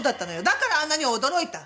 だからあんなに驚いた。